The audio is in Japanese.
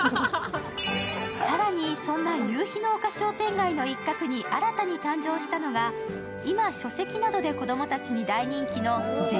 更にそんな夕日の丘商店街の一角に新たに誕生したのが今、書籍などで子供たちに大人気の銭